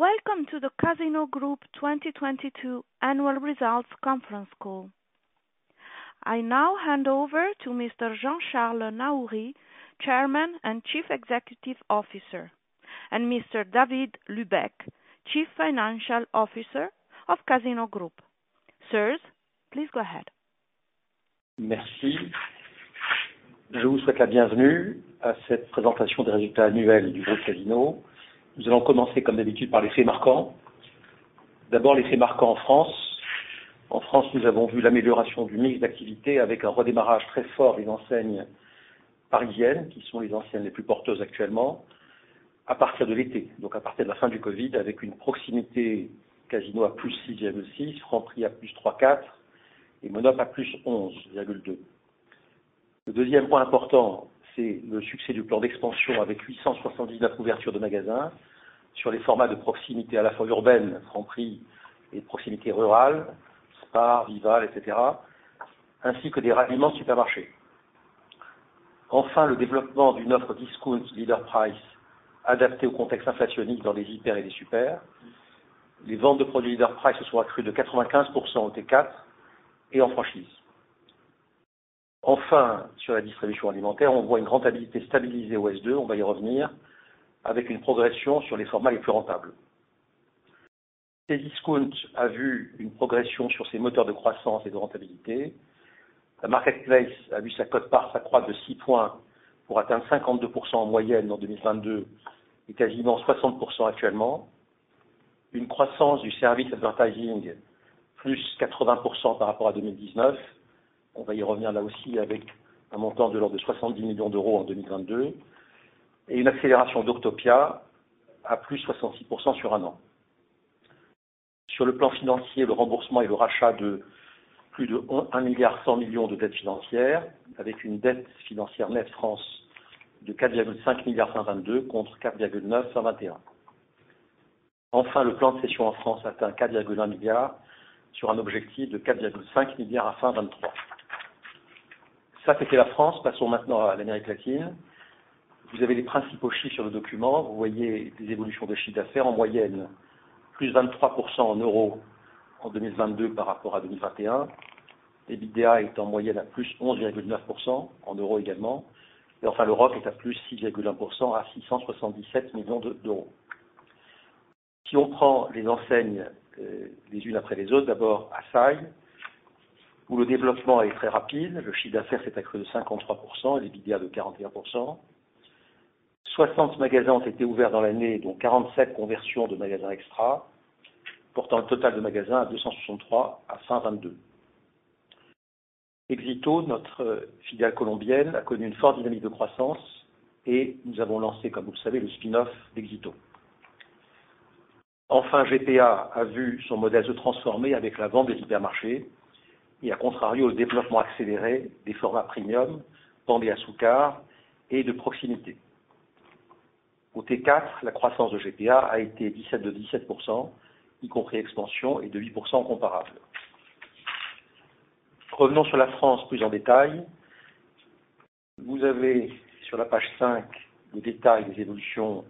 Welcome to the Casino Group 2022 Annual Results Conference Call. I now hand over to Mr. Jean-Charles Naouri, Chairman and Chief Executive Officer, and Mr. David Lubek, Chief Financial Officer of Casino Group. Sirs, please go ahead. Merci. Je vous souhaite la bienvenue à cette présentation des résultats annuels du Casino Group. Nous allons commencer comme d'habitude par les faits marquants. D'abord, les faits marquants en France. En France, nous avons vu l'amélioration du mix d'activité avec un redémarrage très fort des enseignes parisiennes, qui sont les enseignes les plus porteuses actuellement, à partir de l'été, donc à partir de la fin du COVID, avec une proximité Casino à +6.6%, Franprix à +3.4% et Monop' à +11.2%. Le deuxième point important, c'est le succès du plan d'expansion avec 879 ouvertures de magasins sur les formats de proximité à la fois urbaines, Franprix, et de proximité rurales, Spar, Vival, etc., ainsi que des ralliements de supermarchés. Enfin, le développement d'une offre discount Leader Price adaptée au contexte inflationnique dans des hypers et des supers. Les ventes de produits Leader Price se sont accrues de 95% au T4 et en franchise. Sur la distribution alimentaire, on voit une rentabilité stabilisée au S2, on va y revenir, avec une progression sur les formats les plus rentables. Cdiscount a vu une progression sur ses moteurs de croissance et de rentabilité. La marketplace a vu sa quote part s'accroître de 6 points pour atteindre 52% en moyenne en 2022 et quasiment 60% actuellement. Une croissance du service advertising +80% par rapport à 2019. On va y revenir là aussi avec un montant de l'ordre de 70 million en 2022 et une accélération d'Octopia à +66% sur un an. Sur le plan financier, le remboursement et le rachat de plus de 1.1 billion de dettes financières avec une dette financière nette France de 4.5122 billion contre 4.921 billion. Le plan de cession en France atteint 4.1 billion sur un objectif de 4.5 billion à fin 2023. Ça, c'était la France. Passons maintenant à l'Amérique latine. Vous avez les principaux chiffres sur le document. Vous voyez des évolutions de chiffre d'affaires en moyenne +23% en EUR en 2022 par rapport à 2021. L'EBITDA est en moyenne à +11.9% en EUR également. L'Europe est à +6.1% à 677 million. Si on prend les enseignes les unes après les autres, d'abord Assaí, où le développement est très rapide. Le chiffre d'affaires s'est accru de 53%, l'EBITDA de 41%. 60 magasins ont été ouverts dans l'année, dont 47 conversions de magasins Extra, portant le total de magasins à 263 à fin 2022. Éxito, notre filiale colombienne, a connu une forte dynamique de croissance et nous avons lancé, comme vous le savez, le spin-off d'Éxito. GPA a vu son modèle se transformer avec la vente des hypermarchés et, à contrario, le développement accéléré des formats premium, pandés à Soukar, et de proximité. Au Q4, la croissance de GPA a été de 17%, y compris expansion, et de 8% comparable. Revenons sur la France plus en détail. Vous avez sur la page 5 le détail des évolutions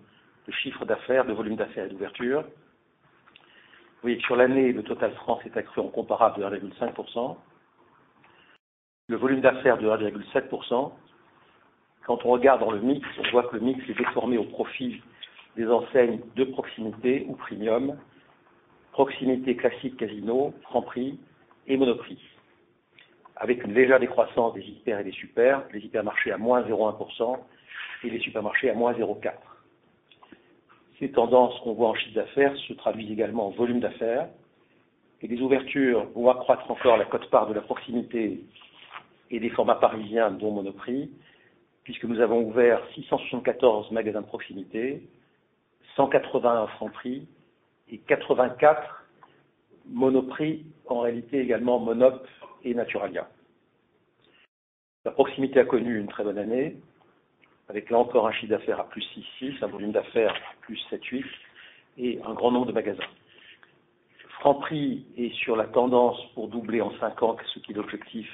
de chiffre d'affaires, de volume d'affaires et d'ouvertures. Sur l'année, le total France est accru en comparable de 1.5%. Le volume d'affaires de 1.7%. Le mix est déformé au profit des enseignes de proximité ou premium, proximité classique Casino, Franprix et Monoprix, avec une légère décroissance des hypers et des supers, les hypermarchés à -0.1% et les supermarchés à -0.4%. Ces tendances qu'on voit en chiffre d'affaires se traduisent également en volume d'affaires. Les ouvertures vont accroître encore la quote part de la proximité et des formats parisiens, dont Monoprix, puisque nous avons ouvert 674 magasins de proximité, 181 Franprix et 84 Monoprix, en réalité également Monop et Naturalia. La proximité a connu une très bonne année avec là encore un chiffre d'affaires à +6.6%, un volume d'affaires à +7.8% et un grand nombre de magasins. Franprix est sur la tendance pour doubler en 5 ans ce qui est l'objectif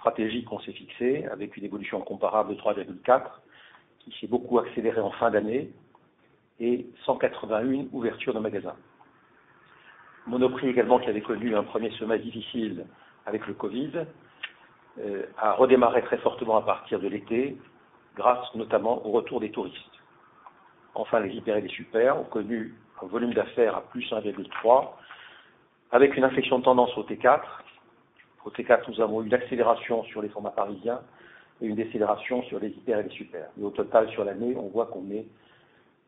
stratégique qu'on s'est fixé avec une évolution comparable de 3.4% qui s'est beaucoup accélérée en fin d'année et 181 ouvertures de magasins. Monoprix également, qui avait connu un premier semestre difficile avec le COVID, a redémarré très fortement à partir de l'été grâce notamment au retour des touristes. Les hypers et les supers ont connu un volume d'affaires à +1.3% avec une inflexion de tendance au T4. Au T4, nous avons eu une accélération sur les formats parisiens et une décélération sur les hypers et les supers. Au total, sur l'année, on voit qu'on est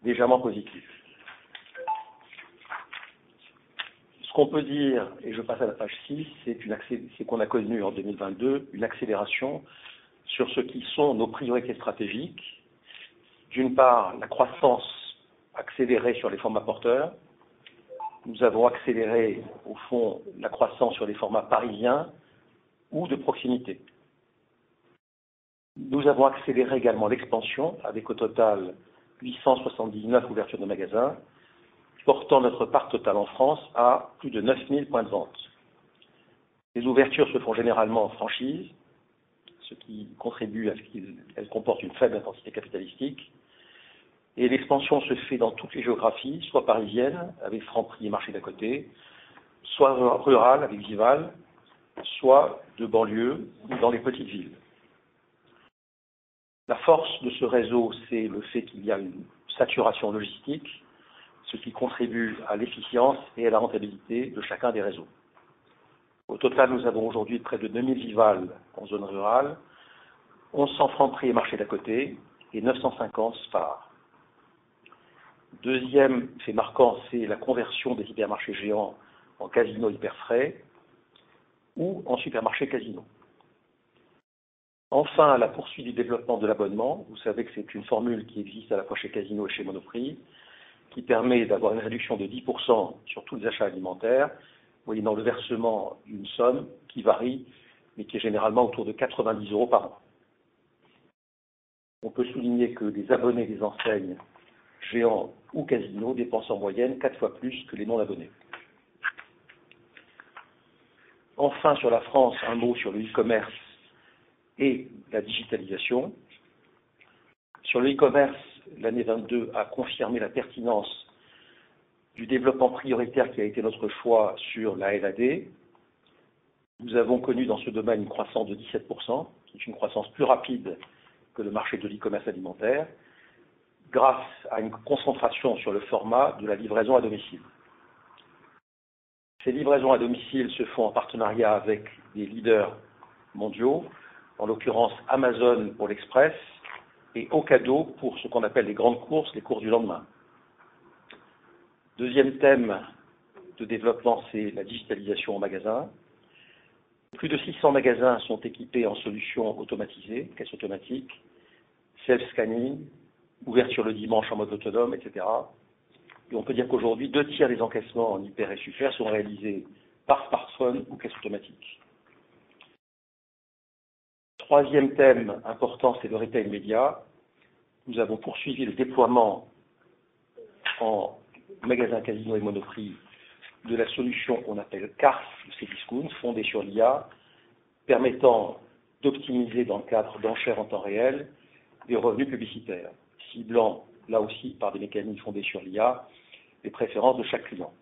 légèrement positif. Ce qu'on peut dire, je passe à la page 6, c'est qu'on a connu en 2022 une accélération sur ce qui sont nos priorités stratégiques. D'une part, la croissance accélérée sur les formats porteurs. Nous avons accéléré, au fond, la croissance sur les formats parisiens ou de proximité. Nous avons accéléré également l'expansion avec au total 879 ouvertures de magasins, portant notre part totale en France à plus de 9,000 points de vente. Les ouvertures se font généralement en franchise, ce qui contribue à ce qu'elles comportent une faible intensité capitalistique et l'expansion se fait dans toutes les géographies, soit parisiennes avec Franprix et Marché d'à côté, soit rurales avec Vival, soit de banlieue ou dans les petites villes. La force de ce réseau, c'est le fait qu'il y a une saturation logistique, ce qui contribue à l'efficience et à la rentabilité de chacun des réseaux. Au total, nous avons aujourd'hui près de 2,000 Vival en zone rurale, 1,100 Franprix et Marché d'à côté et 950 Spar. Deuxième fait marquant, c'est la conversion des hypermarchés Géant en Casino #hyperFrais ou en Supermarché Casino. La poursuite du développement de l'abonnement. Vous savez que c'est une formule qui existe à la fois chez Casino et chez Monoprix, qui permet d'avoir une réduction de 10% sur tous les achats alimentaires, moyennant le versement d'une somme qui varie, mais qui est généralement autour de 90 euros par an. On peut souligner que les abonnés des enseignes Géant ou Casino dépensent en moyenne 4 times plus que les non-abonnés. Sur la France, un mot sur le e-commerce et la digitalisation. Sur le e-commerce, l'année 22 a confirmé la pertinence du développement prioritaire qui a été notre choix sur la LAD. Nous avons connu dans ce domaine une croissance de 17%, qui est une croissance plus rapide que le marché de l'e-commerce alimentaire, grâce à une concentration sur le format de la livraison à domicile. Ces livraisons à domicile se font en partenariat avec des leaders mondiaux, en l'occurrence Amazon pour l'express et Ocado pour ce qu'on appelle les grandes courses, les courses du lendemain. Deuxième thème de développement, c'est la digitalisation en magasin. Plus de 600 magasins sont équipés en solutions automatisées, caisses automatiques, self-scanning, ouverture le dimanche en mode autonome, et cetera. On peut dire qu'aujourd'hui, deux tiers des encaissements en hyper et super sont réalisés par smartphone ou caisse automatique. Troisième thème important, c'est le retail media. Nous avons poursuivi le déploiement en magasins Casino and Monoprix de la solution qu'on appelle CARS ou Cdiscount, fondée sur l'IA, permettant d'optimiser dans le cadre d'enchères en temps réel des revenus publicitaires, ciblant là aussi par des mécanismes fondés sur l'IA les préférences de chaque client.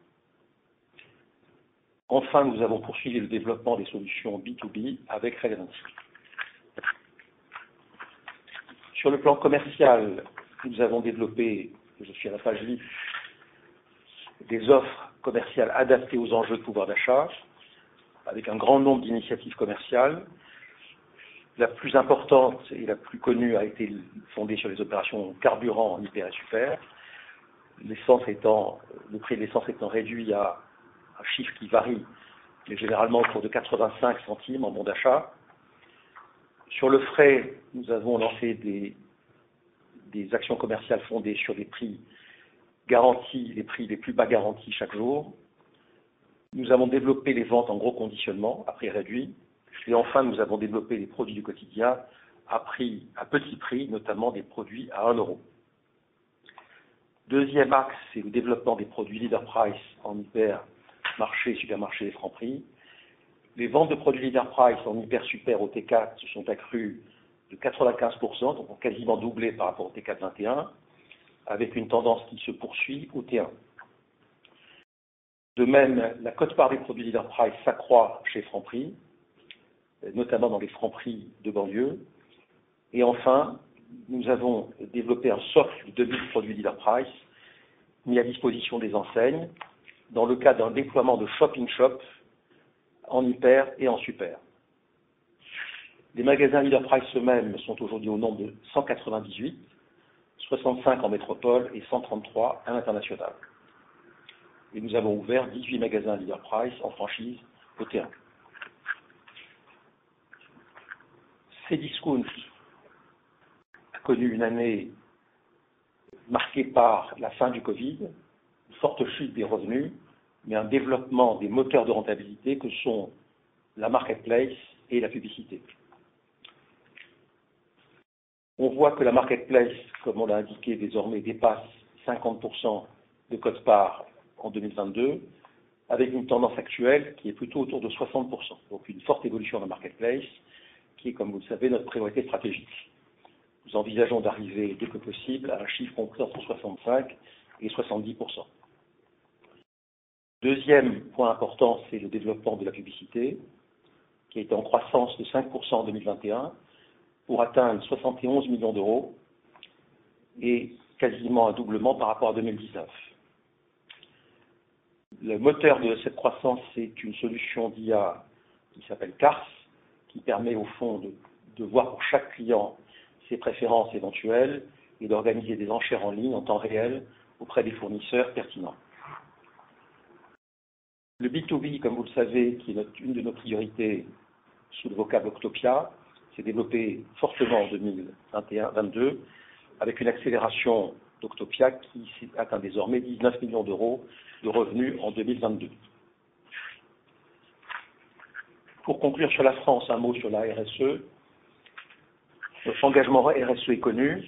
Enfin, nous avons poursuivi le développement des solutions B2B avec RelevanC. Sur le plan commercial, nous avons développé des offres commerciales adaptées aux enjeux de pouvoir d'achat avec un grand nombre d'initiatives commerciales. La plus importante et la plus connue a été fondée sur les opérations carburant en hyper et super, le prix de l'essence étant réduit à un chiffre qui varie, mais généralement autour de 0.85 en bon d'achat. Sur le frais, nous avons lancé des actions commerciales fondées sur les prix garantis, les prix les plus bas garantis chaque jour. Nous avons développé les ventes en gros conditionnement à prix réduit. Enfin, nous avons développé les produits du quotidien à petit prix, notamment des produits à 1 euro. Deuxième axe, c'est le développement des produits Leader Price en hypermarchés, supermarchés et Franprix. Les ventes de produits Leader Price en hyper, super au T4 se sont accrues de 95%, donc ont quasiment doublé par rapport au T4 2021, avec une tendance qui se poursuit au T1. La quote part des produits Leader Price s'accroît chez Franprix, notamment dans les Franprix de banlieue. Enfin, nous avons développé un socle de 2,000 produits Leader Price mis à disposition des enseignes dans le cadre d'un déploiement de shop-in-shop en hyper et en super. Les magasins Leader Price eux-mêmes sont aujourd'hui au nombre de 198, 65 en métropole et 133 à l'international. Nous avons ouvert 18 magasins Leader Price en franchise au T1. Cdiscount a connu une année marquée par la fin du COVID, une forte chute des revenus, mais un développement des moteurs de rentabilité que sont la marketplace et la publicité. On voit que la marketplace, comme on l'a indiqué, désormais, dépasse 50% de quote part en 2022, avec une tendance actuelle qui est plutôt autour de 60%. Une forte évolution de la marketplace qui est, comme vous le savez, notre priorité stratégique. Nous envisageons d'arriver dès que possible à un chiffre compris entre 65%-70%. Deuxième point important, c'est le développement de la publicité qui était en croissance de 5% en 2021 pour atteindre 71 million et quasiment un doublement par rapport à 2019. Le moteur de cette croissance, c'est une solution d'IA qui s'appelle CARS, qui permet au fond de voir pour chaque client ses préférences éventuelles et d'organiser des enchères en ligne en temps réel auprès des fournisseurs pertinents. Le B2B, comme vous le savez, qui est une de nos priorités sous le vocable Octopia, s'est développé fortement en 2021-22 avec une accélération d'Octopia qui atteint désormais 19 million de revenus en 2022. Pour conclure sur la France, un mot sur la RSE. Notre engagement RSE est connu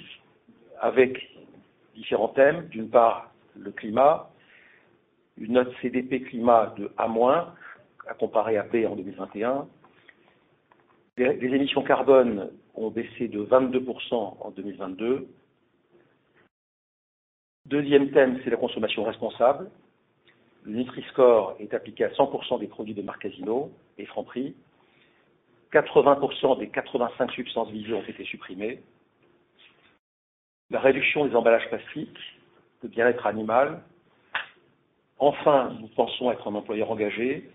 avec différents thèmes. D'une part, le climat, une note CDP Climat de A-, à comparer à B en 2021. Les émissions carbone ont baissé de 22% en 2022. Deuxième thème, c'est la consommation responsable. Le Nutri-Score est appliqué à 100% des produits de marque Casino et Franprix. 80% des 85 substances visées ont été supprimées. La réduction des emballages plastiques, le bien-être animal. Enfin, nous pensons être un employeur engagé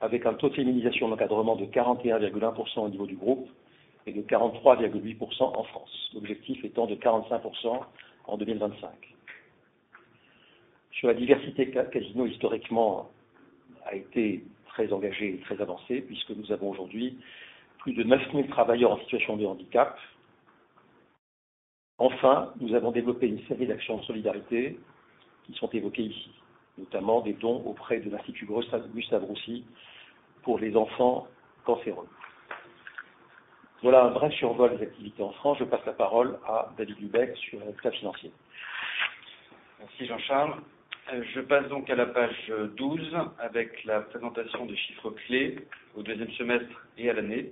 avec un taux de féminisation de l'encadrement de 41.1% au niveau du groupe et de 43.8% en France. L'objectif étant de 45% en 2025. Sur la diversité, Casino, historiquement, a été très engagé et très avancé puisque nous avons aujourd'hui plus de 9,000 travailleurs en situation de handicap. Enfin, nous avons développé une série d'actions de solidarité qui sont évoquées ici, notamment des dons auprès de l'Institut Gustave Roussy pour les enfants cancéreux. Voilà un bref survol des activités en France. Je passe la parole à David Lubek sur le cadre financier. Merci Jean-Charles. Je passe donc à la page 12 avec la présentation des chiffres clés au second semester et à l'année.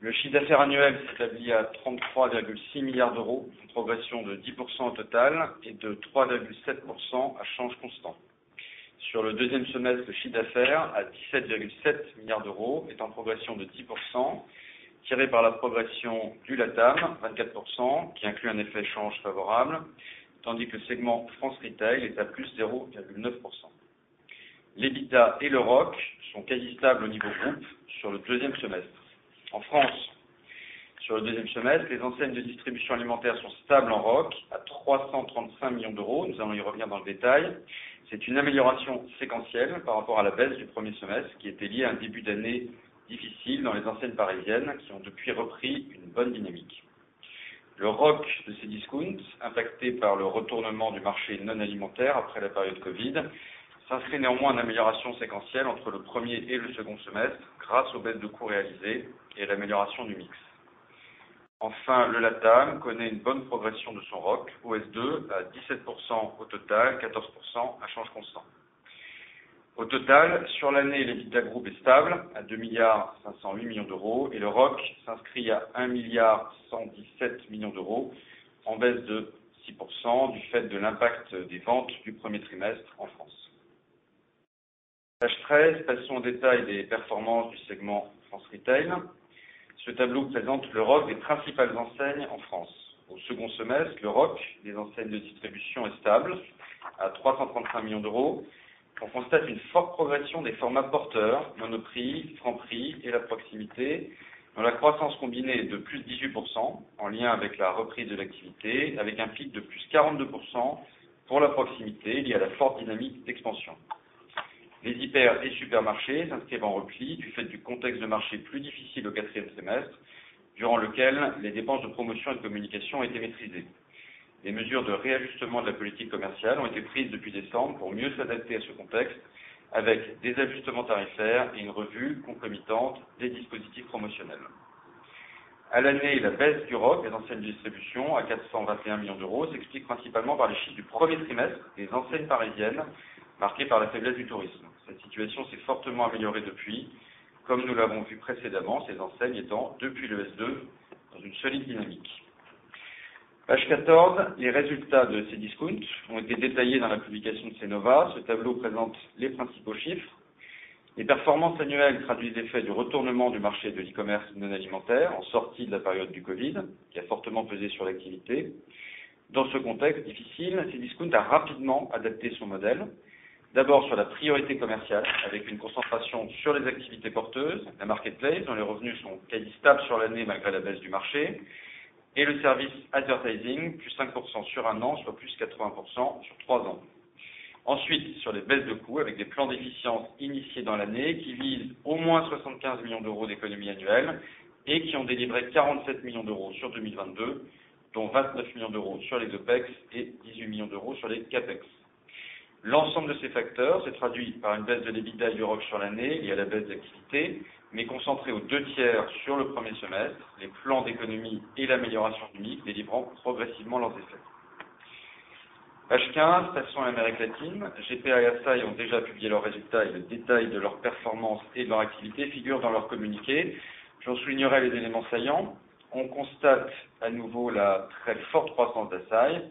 Le chiffre d'affaires annuel s'établit à 33.6 billion, une progression de 10% au total et de 3.7% à change constant. Sur le second semester, le chiffre d'affaires à EUR 17.7 billion est en progression de 10%, tiré par la progression du LATAM, 24%, qui inclut un effet change favorable, tandis que le segment France Retail est à +0.9%. L'EBITDA et le ROC sont quasi stables au niveau groupe sur le second semester. En France, sur le second semester, les enseignes de distribution alimentaire sont stables en ROC à 335 million. Nous allons y revenir dans le détail. C'est une amélioration séquentielle par rapport à la baisse du premier semestre, qui était liée à un début d'année difficile dans les enseignes parisiennes, qui ont depuis repris une bonne dynamique. Le ROC de Cdiscount, impacté par le retournement du marché non alimentaire après la période Covid, s'inscrit néanmoins en amélioration séquentielle entre le premier et le second semestre grâce aux baisses de coûts réalisées et l'amélioration du mix. Le LATAM connaît une bonne progression de son ROC au S2, à 17% au total, 14% à change constant. Sur l'année, l'EBITDA du groupe est stable à 2.508 billion et le ROC s'inscrit à 1.117 billion, en baisse de 6% du fait de l'impact des ventes du premier trimestre en France. Page 13, passons au détail des performances du segment France Retail. Ce tableau présente le ROC des principales enseignes en France. Au second semestre, le ROC des enseignes de distribution est stable à 335 million. On constate une forte progression des formats porteurs, Monoprix, Franprix et la proximité, dont la croissance combinée est de +18%, en lien avec la reprise de l'activité, avec un pic de +42% pour la proximité, lié à la forte dynamique d'expansion. Les hypers et supermarchés s'inscrivent en repli du fait du contexte de marché plus difficile au quatrième trimestre, durant lequel les dépenses de promotion et de communication étaient maîtrisées. Des mesures de réajustement de la politique commerciale ont été prises depuis décembre pour mieux s'adapter à ce contexte, avec des ajustements tarifaires et une revue concomitante des dispositifs promotionnels. À l'année, la baisse du ROC des enseignes de distribution à 421 million s'explique principalement par les chiffres du 1st quarter des enseignes parisiennes marquées par la faiblesse du tourisme. Cette situation s'est fortement améliorée depuis. Comme nous l'avons vu précédemment, ces enseignes étant, depuis le S2, dans une solide dynamique. Page 14, les résultats de Cdiscount ont été détaillés dans la publication de Cnova. Ce tableau présente les principaux chiffres. Les performances annuelles traduisent l'effet du retournement du marché de l'e-commerce non alimentaire en sortie de la période du Covid, qui a fortement pesé sur l'activité. Dans ce contexte difficile, Cdiscount a rapidement adapté son modèle. D'abord sur la priorité commerciale, avec une concentration sur les activités porteuses, la marketplace, dont les revenus sont quasi stables sur l'année malgré la baisse du marché, et le service advertising, +5% sur un an, soit +80% sur trois ans. Sur les baisses de coûts avec des plans d'efficience initiés dans l'année qui visent au moins 75 million d'économies annuelles et qui ont délivré 47 million sur 2022, dont 29 million sur les OPEX et 18 million sur les CAPEX. L'ensemble de ces facteurs s'est traduit par une baisse de l'EBITDA et du ROC sur l'année liée à la baisse d'activité, mais concentrée aux 2/3 sur le premier semestre, les plans d'économies et l'amélioration du mix délivrant progressivement leurs effets. Page 15, passons à l'Amérique latine. GPA et Assaí ont déjà publié leurs résultats et le détail de leurs performances et de leur activité figure dans leur communiqué. J'en soulignerai les éléments saillants. On constate à nouveau la très forte croissance d'Assaí, plus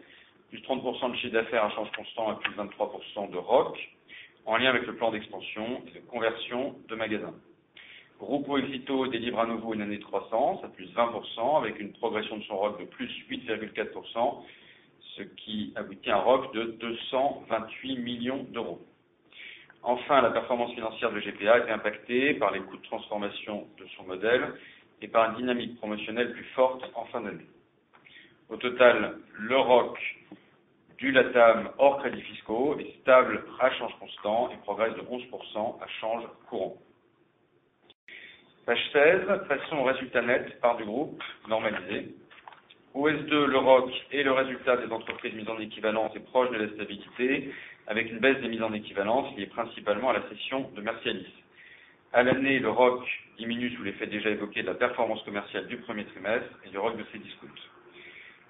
30% du chiffre d'affaires à change constant et plus 23% de ROC, en lien avec le plan d'expansion et de conversion de magasins. Grupo Éxito délivre à nouveau une année 300, soit plus 20%, avec une progression de son ROC de plus 8.4%, ce qui aboutit à un ROC de 228 million EUR. Enfin, la performance financière de GPA a été impactée par les coûts de transformation de son modèle et par une dynamique promotionnelle plus forte en fin d'année. Le ROC du LATAM hors crédits fiscaux est stable à change constant et progresse de 11% à change courant. Page 16, passons au résultat net, part du groupe normalisé. Le S2, le ROC et le résultat des entreprises mises en équivalence est proche de la stabilité, avec une baisse des mises en équivalence liée principalement à la cession de Mercialys. À l'année, le ROC diminue sous l'effet déjà évoqué de la performance commerciale du first quarter et de ROC de Cdiscount.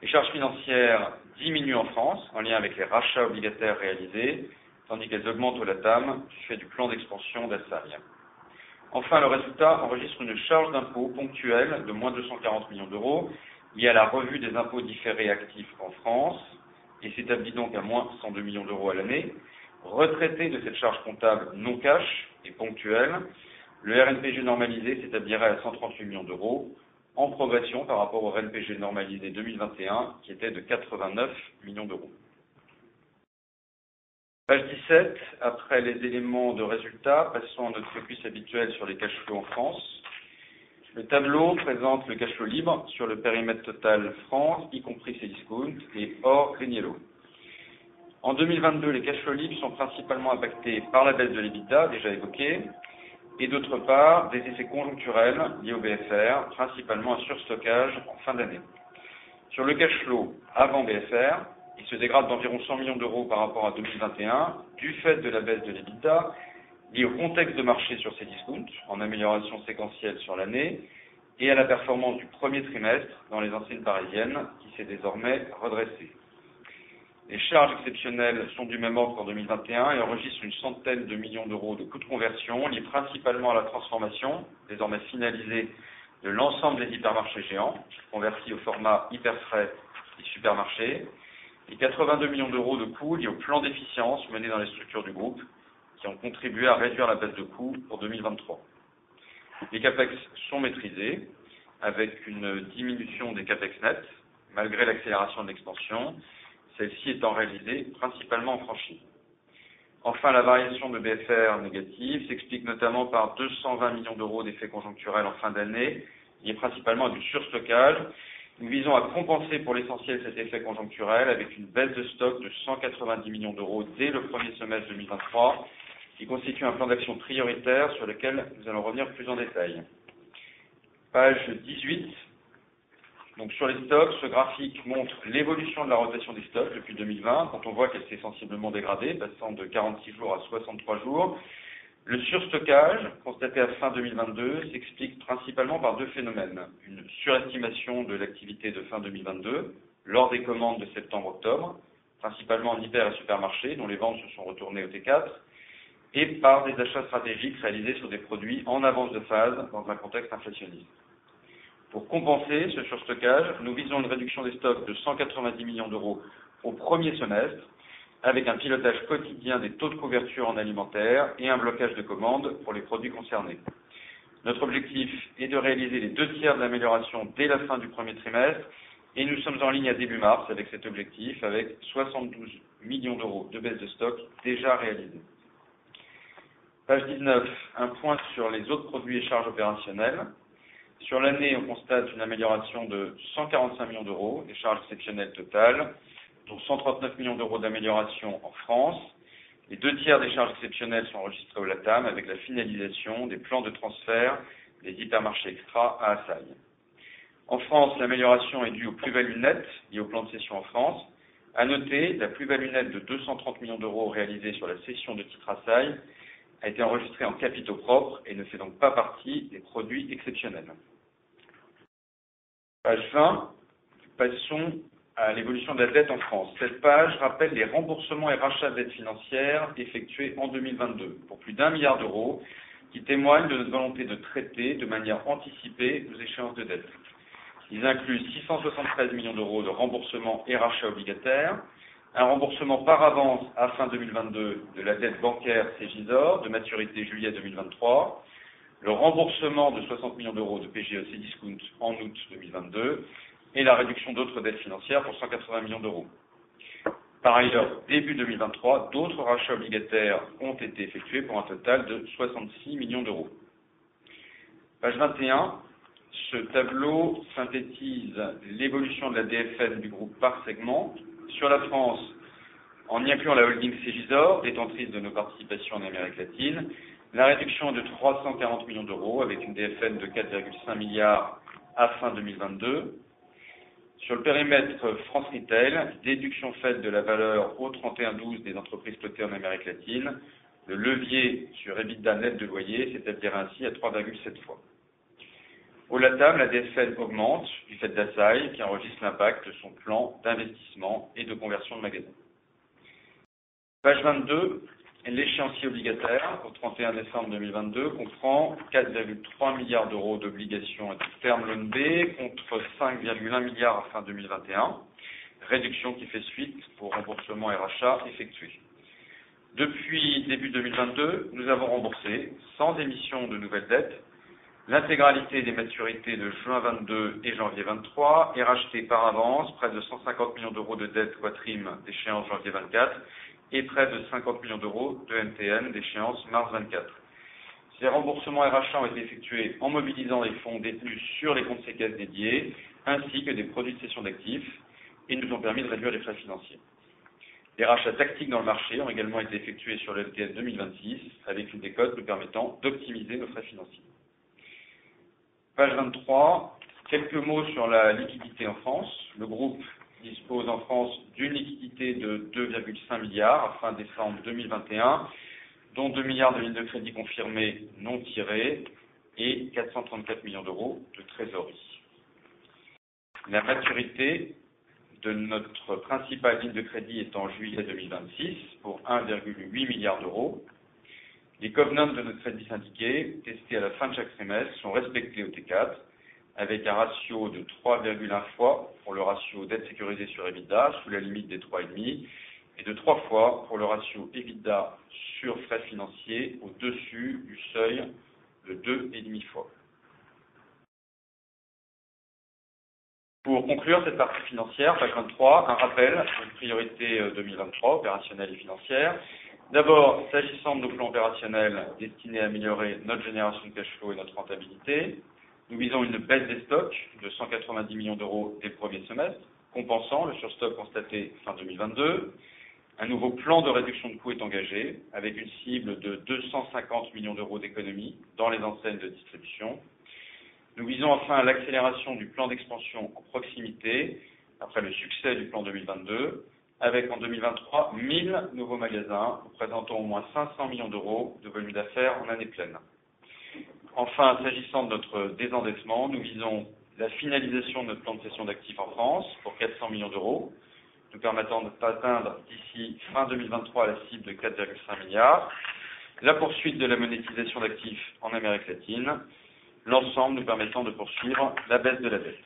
Les charges financières diminuent en France en lien avec les rachats obligataires réalisés, tandis qu'elles augmentent au LATAM du fait du plan d'expansion d'Assaí. Le résultat enregistre une charge d'impôt ponctuelle de moins 240 million liée à la revue des impôts différés actifs en France et s'établit donc à moins 102 million à l'année. Retraitée de cette charge comptable non cash et ponctuelle, le RNPG normalisé s'établirait à 138 million en progression par rapport au RNPG normalisé 2021 qui était de 89 million. Page 17, après les éléments de résultat, passons à notre focus habituel sur les cash-flows en France. Le tableau présente le cash-flow libre sur le périmètre total France, y compris Cdiscount et hors GreenYellow. En 2022, les cash-flows libres sont principalement impactés par la baisse de l'EBITDA déjà évoquée et d'autre part, des effets conjoncturels liés au BFR, principalement un surstockage en fin d'année. Sur le cash-flow avant BFR, il se dégrade d'environ 100 million par rapport à 2021 du fait de la baisse de l'EBITDA liée au contexte de marché sur Cdiscount, en amélioration séquentielle sur l'année et à la performance du first quarter dans les anciennes Parisiennes, qui s'est désormais redressée. Les charges exceptionnelles sont du même ordre qu'en 2021 et enregistrent 100 million de coûts de conversion liés principalement à la transformation, désormais finalisée, de l'ensemble des hypermarchés Géant, convertis au format Hyper Fresh et supermarchés, et 82 million de coûts liés au plan d'efficience mené dans les structures du groupe qui ont contribué à réduire la baisse de coûts pour 2023. Les CapEx sont maîtrisés avec une diminution des CapEx nets malgré l'accélération de l'expansion, celle-ci étant réalisée principalement en franchisé. La variation de BFR négative s'explique notamment par 220 million d'effets conjoncturels en fin d'année, liés principalement à du surstockage. Nous visons à compenser pour l'essentiel cet effet conjoncturel avec une baisse de stock de 190 million dès le premier semestre 2023, qui constitue un plan d'action prioritaire sur lequel nous allons revenir plus en détail. Page 18. Sur les stocks, ce graphique montre l'évolution de la rotation des stocks depuis 2020 quand on voit qu'elle s'est sensiblement dégradée, passant de 46 jours à 63 jours. Le surstockage constaté à fin 2022 s'explique principalement par deux phénomènes. Une surestimation de l'activité de fin 2022 lors des commandes de septembre-octobre, principalement en hyper et supermarchés dont les ventes se sont retournées au T4 et par des achats stratégiques réalisés sur des produits en avance de phase dans un contexte inflationniste. Pour compenser ce surstockage, nous visons une réduction des stocks de 190 million au premier semestre avec un pilotage quotidien des taux de couverture en alimentaire et un blocage de commandes pour les produits concernés. Notre objectif est de réaliser les deux tiers de l'amélioration dès la fin du premier trimestre et nous sommes en ligne à début mars avec cet objectif avec 72 million de baisse de stocks déjà réalisés. Page 19. Un point sur les autres produits et charges opérationnelles. Sur l'année, on constate une amélioration de 145 million des charges exceptionnelles totales, dont 139 million d'amélioration en France. Les deux tiers des charges exceptionnelles sont enregistrées au LATAM avec la finalisation des plans de transfert des hypermarchés Extra à Assaí. En France, l'amélioration est due aux plus-values nettes liées au plan de cession en France. À noter, la plus-value nette de 230 million réalisée sur la cession de titres Assaí a été enregistrée en capitaux propres et ne fait donc pas partie des produits exceptionnels. Page 20. Passons à l'évolution de la dette en France. Cette page rappelle les remboursements et rachats de dettes financières effectués en 2022 pour plus d'EUR 1 billion qui témoignent de notre volonté de traiter de manière anticipée nos échéances de dette. Ils incluent 673 million de remboursements et rachats obligataires, un remboursement par avance à fin 2022 de la dette bancaire Segisor de maturité July 2023, le remboursement de 60 million de PGE Cdiscount en August 2022 et la réduction d'autres dettes financières pour EUR 180 million. Début 2023, d'autres rachats obligataires ont été effectués pour un total de 66 million. Page 21. Ce tableau synthétise l'évolution de la DSN du groupe par segment. Sur la France, en y incluant la holding Segisor, détentrice de nos participations en Amérique latine, la réduction est de 340 million avec une DSN de 4.5 billion à fin 2022. Sur le périmètre France Retail, déduction faite de la valeur au 12/31 des entreprises cotées en Amérique latine, le levier sur EBITDA net de loyer s'établit ainsi à 3.7x. Au LATAM, la DSN augmente du fait d'Assaí qui enregistre l'impact de son plan d'investissement et de conversion de magasins. Page 22, l'échéancier obligataire au December 31, 2022 comprend 4.3 billion d'obligations à Term Loan B contre 5.1 billion à fin 2021, réduction qui fait suite pour remboursements et rachats effectués. Depuis début 2022, nous avons remboursé, sans émission de nouvelles dettes, l'intégralité des maturités de June 2022 et January 2023 et racheté par avance près de 150 million de dettes Quatrim d'échéance January 2024 et près de 50 million d'EMTN d'échéance March 2024. Ces remboursements et rachats ont été effectués en mobilisant les fonds détenus sur les comptes séquestre dédiés ainsi que des produits de cession d'actifs et nous ont permis de réduire les frais financiers. Des rachats tactiques dans le marché ont également été effectués sur le TS 2026 avec une décote nous permettant d'optimiser nos frais financiers. Page 23, quelques mots sur la liquidité en France. Le groupe dispose en France d'une liquidité de 2.5 billion à fin December 2021, dont 2 billion de lignes de crédit confirmées non tirées et 434 million de trésorerie. La maturité de notre principale ligne de crédit est en July 2026 pour 1.8 billion. Les covenants de notre crédit syndiqué, testés à la fin de chaque trimestre, sont respectés au T4 avec un ratio de 3.1x pour le ratio dette sécurisée sur EBITDA sous la limite des 3.5 et de 3x pour le ratio EBITDA sur frais financiers au-dessus du seuil de 2.5x. Pour conclure cette partie financière, page 23, un rappel de nos priorités 2023 opérationnelles et financières. D'abord, s'agissant de nos plans opérationnels destinés à améliorer notre génération de cash-flow et notre rentabilité, nous visons une baisse des stocks de 190 million dès le premier semestre, compensant le surstock constaté fin 2022. Un nouveau plan de réduction de coûts est engagé avec une cible de 250 million d'économies dans les enseignes de distribution. Nous visons enfin l'accélération du plan d'expansion en proximité après le succès du plan 2022 avec, en 2023, 1,000 nouveaux magasins nous présentant au moins 500 million de volume d'affaires en année pleine. S'agissant de notre désendettement, nous visons la finalisation de notre plan de cession d'actifs en France pour 400 million nous permettant d'atteindre d'ici fin 2023 la cible de 4.5 billion. La poursuite de la monétisation d'actifs en Amérique latine, l'ensemble nous permettant de poursuivre la baisse de la dette.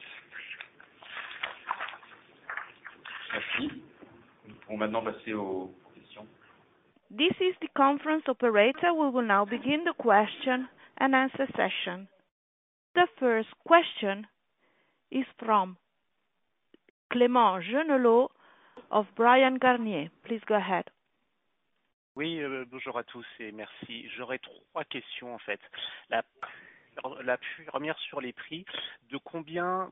Merci. Nous pouvons maintenant passer aux questions. This is the conference operator. We will now begin the question and answer session. The first question is from Clément Genelot of Bryan, Garnier & Co. Please, go ahead. Oui, bonjour à tous et merci. J'aurais three questions, en fait. La première sur les prix. De combien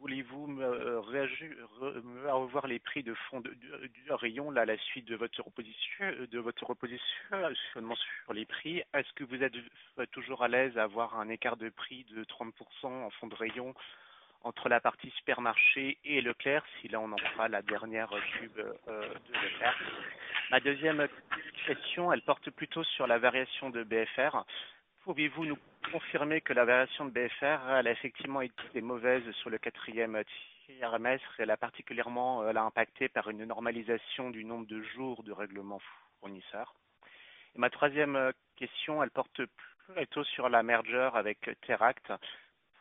voulez-vous revoir les prix de fond de, du rayon à la suite de votre position, de votre repositionnement sur les prix? Est-ce que vous êtes toujours à l'aise à avoir un écart de prix de 30% en fond de rayon entre la partie supermarché et E.Leclerc? On en croit la dernière pub de E.Leclerc. Ma second question, elle porte plutôt sur la variation de BFR. Pouvez-vous nous confirmer que la variation de BFR, elle a effectivement été mauvaise sur le fourth quarter? Elle a particulièrement impacté par une normalisation du nombre de jours de règlement fournisseur. Ma third question, elle porte plutôt sur la merger avec Teract.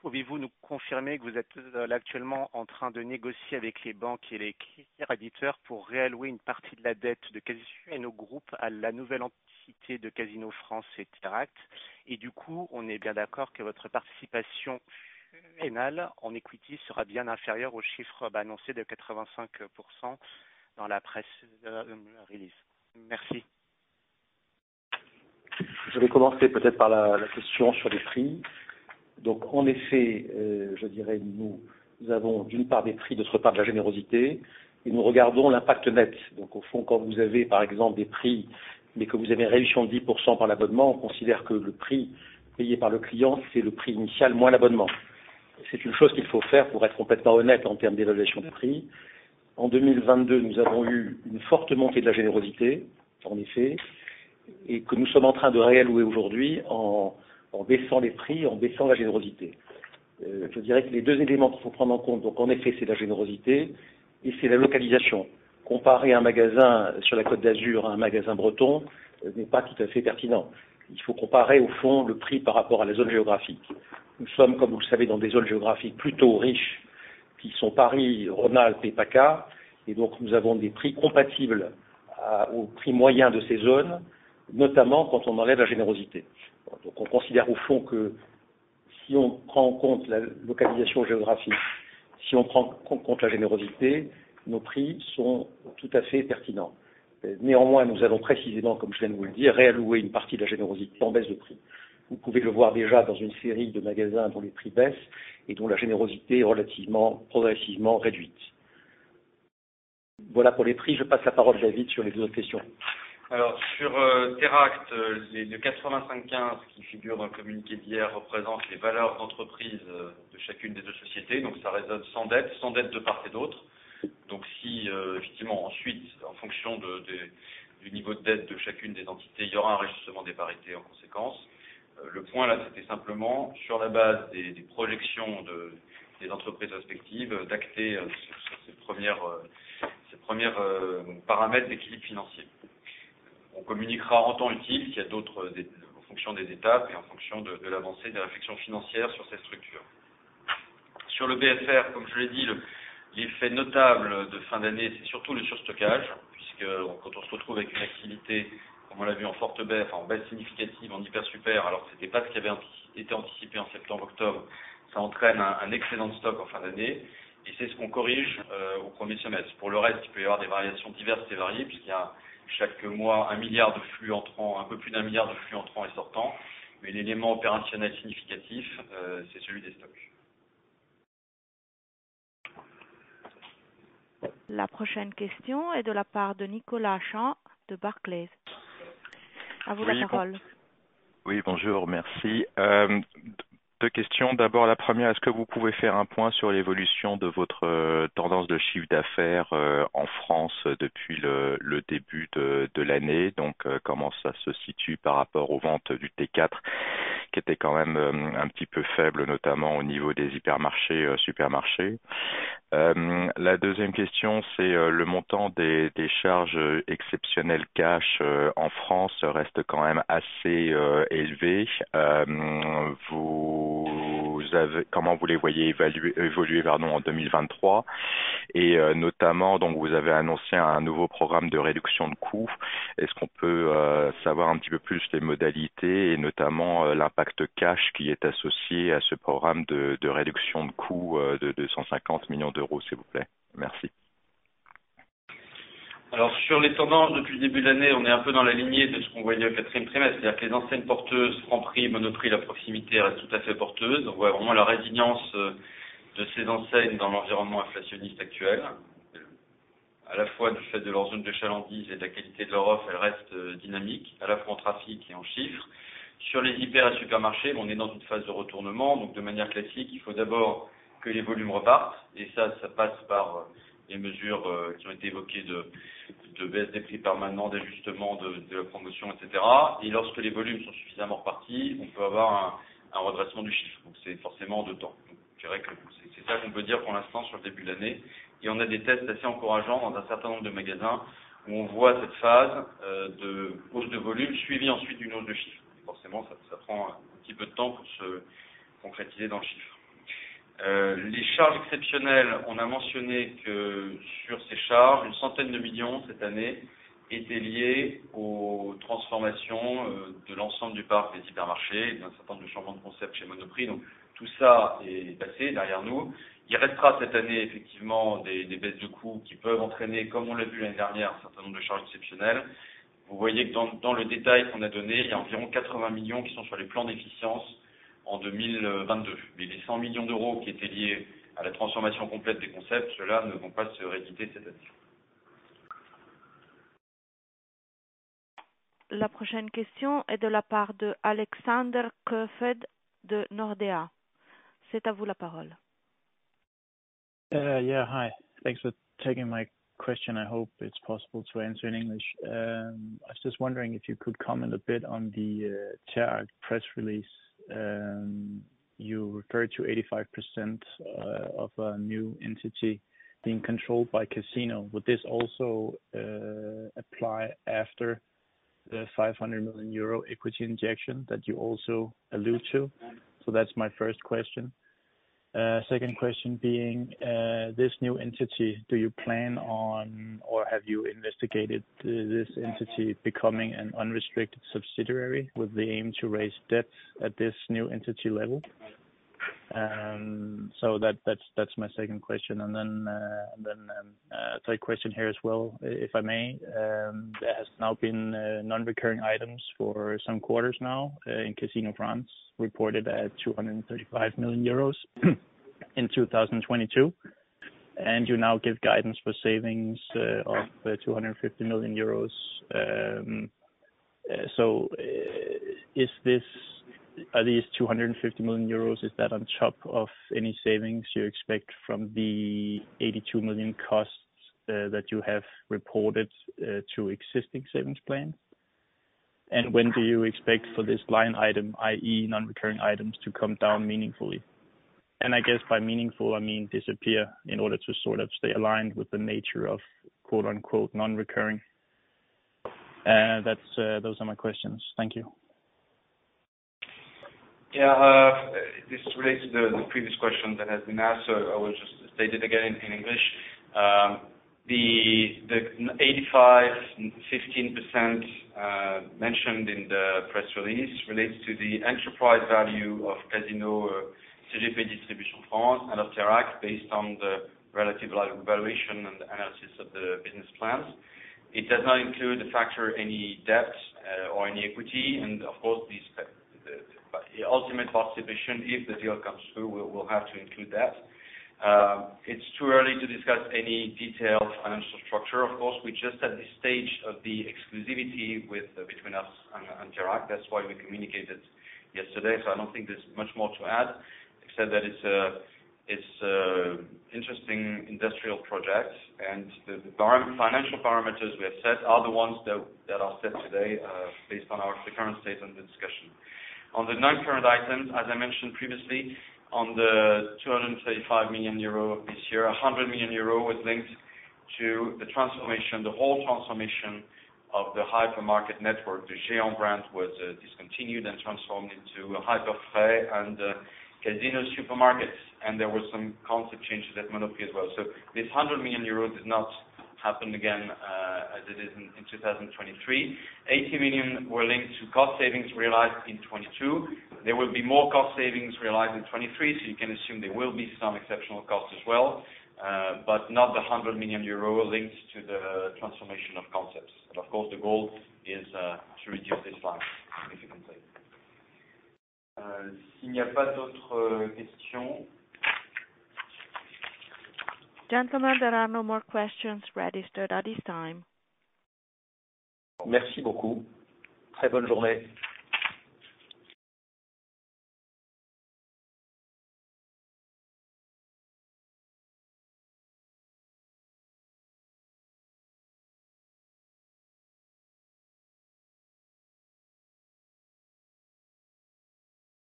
Pouvez-vous nous confirmer que vous êtes actuellement en train de négocier avec les banques et les créanciers créditeurs pour réallouer une partie de la dette de Casino Group à la nouvelle entité de Casino France et Teract? Du coup, on est bien d'accord que votre participation finale en equity sera bien inférieure au chiffre annoncé de 85% dans la press release. Merci. Je vais commencer peut-être par la question sur les prix. En effet, je dirais, nous avons d'une part des prix, d'autre part de la générosité, et nous regardons l'impact net. Au fond, quand vous avez, par exemple, des prix, mais que vous avez une réduction de 10% par l'abonnement, on considère que le prix payé par le client, c'est le prix initial moins l'abonnement. C'est une chose qu'il faut faire pour être complètement honnête en termes d'évaluation des prix. En 2022, nous avons eu une forte montée de la générosité, en effet, et que nous sommes en train de réallouer aujourd'hui en baissant les prix, en baissant la générosité. Je dirais que les deux éléments qu'il faut prendre en compte, en effet, c'est la générosité et c'est la localisation. Comparer un magasin sur la Côte d'Azur à un magasin breton n'est pas tout à fait pertinent. Il faut comparer, au fond, le prix par rapport à la zone géographique. Nous sommes, comme vous le savez, dans des zones géographiques plutôt riches qui sont Paris, Rhône-Alpes et PACA. Nous avons des prix compatibles au prix moyen de ces zones, notamment quand on enlève la générosité. On considère au fond que si on prend en compte la localisation géographique, si on prend en compte la générosité, nos prix sont tout à fait pertinents. Néanmoins, nous allons précisément, comme je viens de vous le dire, réallouer une partie de la générosité en baisse de prix. Vous pouvez le voir déjà dans une série de magasins dont les prix baissent et dont la générosité est relativement, progressivement réduite. Voilà pour les prix. Je passe la parole à David sur les 2 autres questions. Sur Teract, les 85, 15 qui figurent dans le communiqué d'hier représentent les valeurs d'entreprise de chacune des 2 sociétés. Ça résonne sans dette de part et d'autre. Si effectivement, ensuite, en fonction du niveau de dette de chacune des entités, il y aura un ajustement des parités en conséquence. Le point, là, c'était simplement sur la base des projections des entreprises respectives d'acter ces premiers paramètres d'équilibre financier. On communiquera en temps utile s'il y a en fonction des étapes et en fonction de l'avancée des réflexions financières sur cette structure. Sur le BFR, comme je l'ai dit, les faits notables de fin d'année, c'est surtout le surstockage, puisque quand on se retrouve avec une activité, comme on l'a vu, en forte baisse, enfin, en baisse significative en hyper-super, alors que c'était pas ce qui avait été anticipé en septembre-octobre, ça entraîne un excédent de stock en fin d'année et c'est ce qu'on corrige au premier semestre. Pour le reste, il peut y avoir des variations diverses et variées puisqu'il y a chaque mois, 1 milliard de flux entrants, un peu plus de 1 milliard de flux entrants et sortants. Mais l'élément opérationnel significatif, c'est celui des stocks. La prochaine question est de la part de Nicolas Champ de Barclays. À vous la parole. Oui, bonjour, merci. 2 questions. D'abord, la première, est-ce que vous pouvez faire un point sur l'évolution de votre tendance de chiffre d'affaires en France depuis le début de l'année? Donc, comment ça se situe par rapport aux ventes du T4 qui étaient quand même un petit peu faibles, notamment au niveau des hypermarchés, supermarchés? La deuxième question, c'est le montant des charges exceptionnelles cash en France reste quand même assez élevé. Comment vous les voyez évoluer, pardon, en 2023? Et notamment, donc, vous avez annoncé un nouveau programme de réduction de coûts. Est-ce qu'on peut savoir un petit peu plus les modalités et notamment l'impact cash qui est associé à ce programme de réduction de coûts de 250 million, s'il vous plaît? Merci. Sur les tendances depuis le début de l'année, on est un peu dans la lignée de ce qu'on voyait au fourth quarter. C'est-à-dire que les enseignes porteuses Franprix, Monoprix, la proximité restent tout à fait porteuses. On voit vraiment la résilience de ces enseignes dans l'environnement inflationniste actuel. À la fois du fait de leur zone de chalandise et de la qualité de leur offre, elles restent dynamiques, à la fois en trafic et en chiffres. Sur les hyper et supermarchés, on est dans une phase de retournement. De manière classique, il faut d'abord que les volumes repartent et ça passe par les mesures qui ont été évoquées de baisse des prix permanents, d'ajustement de la promotion, etc. Lorsque les volumes sont suffisamment repartis, on peut avoir un redressement du chiffre. C'est forcément 2 temps. Je dirais que c'est ça qu'on peut dire pour l'instant sur le début de l'année. On a des tests assez encourageants dans un certain nombre de magasins où on voit cette phase de hausse de volume suivie ensuite d'une hausse de chiffres. Forcément, ça prend un petit peu de temps pour se concrétiser dans le chiffre. Les charges exceptionnelles, on a mentionné que sur ces charges, 100 million cette année étaient liées aux transformations de l'ensemble du parc des hypermarchés et d'un certain nombre de changements de concepts chez Monoprix. Tout ça est passé derrière nous. Il restera cette année effectivement des baisses de coûts qui peuvent entraîner, comme on l'a vu l'année dernière, un certain nombre de charges exceptionnelles. Vous voyez que dans le détail qu'on a donné, il y a environ 80 million qui sont sur les plans d'efficience en 2022. Les 100 million qui étaient liés à la transformation complète des concepts, ceux-là ne vont pas se réitérer cette année. La prochaine question est de la part de Alexander Kofoed de Nordea. C'est à vous la parole. Yeah, hi. Thanks for taking my question. I hope it's possible to answer in English. I was just wondering if you could comment a bit on the Teract press release. You referred to 85% of a new entity being controlled by Casino. Would this also apply after the 500 million euro equity injection that you also allude to? That's my first question. Second question being, this new entity, do you plan on or have you investigated this entity becoming an unrestricted subsidiary with the aim to raise debts at this new entity level? That's my second question. Third question here as well, if I may. There has now been non-recurring items for some quarters now in Casino France reported at 235 million euros in 2022, and you now give guidance for savings of 250 million euros. Is this at least 250 million euros, is that on top of any savings you expect from the 82 million costs that you have reported to existing savings plan? When do you expect for this line item, i.e. non-recurring items, to come down meaningfully? I guess by meaningful, I mean disappear in order to sort of stay aligned with the nature of quote-unquote non-recurring. Those are my questions. Thank you. Yeah. This relates to the previous question that has been asked, so I will just state it again in English. The 85% and 15% mentioned in the press release relates to the enterprise value of CGP Distribution France and of Teract based on the relative valuation and analysis of the business plans. It does not include or factor any debt or any equity. Of course, these, the ultimate participation, if the deal comes through, we'll have to include that. It's too early to discuss any detailed financial structure. Of course, we just at this stage of the exclusivity with, between us and Teract. That's why we communicated yesterday. I don't think there's much more to add except that it's an interesting industrial project and the financial parameters we have set are the ones that are set today, based on the current state of the discussion. On the non-current items, as I mentioned previously, on the 235 million euro this year, 100 million euro was linked to the transformation, the whole transformation of the hypermarket network. The Géant brand was discontinued and transformed into Hyper Frais and Casino Supermarchés, and there were some concept changes at Monoprix as well. This 100 million euros does not happen again as it is in 2023. 80 million were linked to cost savings realized in 2022. There will be more cost savings realized in 2023. You can assume there will be some exceptional costs as well, but not the 100 million euro linked to the transformation of concepts. Of course, the goal is, to reduce this line significantly. Gentlemen, there are no more questions registered at this time. Merci beaucoup. Très bonne journée.